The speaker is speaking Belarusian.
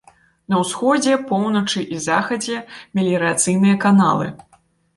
На ўсходзе, поўначы і захадзе меліярацыйныя каналы.